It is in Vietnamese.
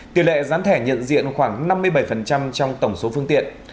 tỷ lệ gián thẻ nhận diện khoảng năm mươi bảy trong tổng số phương tiện